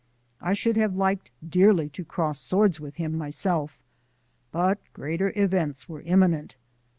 I should have liked dearly to cross swords with him myself, but greater events were imminent.